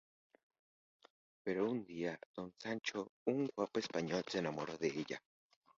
Pero un día, Don Sancho, un guapo español, se enamora de ella.